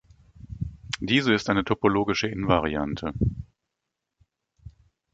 Diese ist eine topologische Invariante.